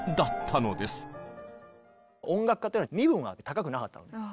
音楽家っていうのは身分が高くなかったの。